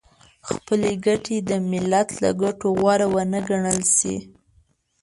خپلې ګټې د ملت له ګټو غوره ونه ګڼل شي .